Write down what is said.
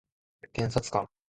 検察官